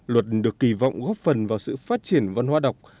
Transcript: luật được kỳ vọng góp phần vào sự phát triển văn hóa đọc